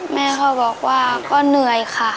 แม่เขาบอกว่าก็เหนื่อยค่ะ